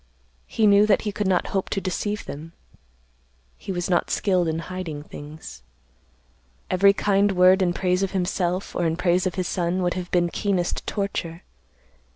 He knew that he could not hope to deceive them. He was not skilled in hiding things. Every kind word in praise of himself, or in praise of his son, would have been keenest torture.